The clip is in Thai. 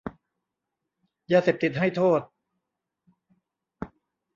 ยาเสพติดให้โทษ